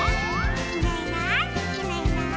「いないいないいないいない」